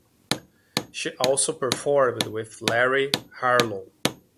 She also performed with Larry Harlow.